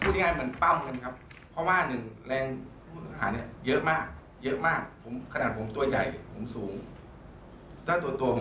ด้านนางสาว